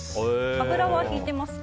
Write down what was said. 油はひいてますか？